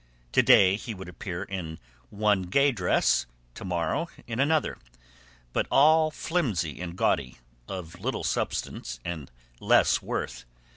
To day he would appear in one gay dress, to morrow in another; but all flimsy and gaudy, of little substance and less worth.